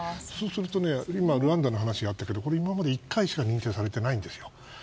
そうすると今ルワンダの話があったけど今まで１回しか認定されてないんですよ。